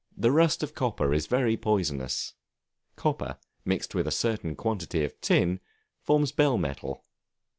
The rust of copper is very poisonous. Copper, mixed with a certain quantity of tin, forms bell metal.